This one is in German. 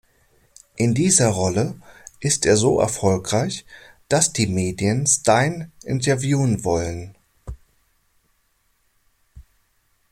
In dieser Rolle ist er so erfolgreich, dass die Medien Styne interviewen wollen.